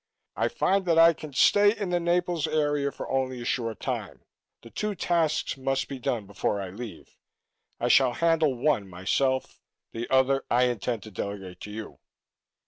"I find that I can stay in the Naples area for only a short time; the two tasks must be done before I leave. I shall handle one myself. The other I intend to delegate to you.